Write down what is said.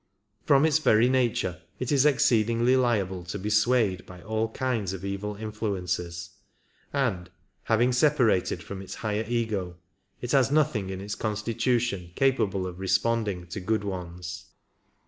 From its very nature it is exceedingly liable to be swayed by all kinds of evil influences, and, having separated from its higher Ego, it has nothing in its constitution capable of responding to good ones.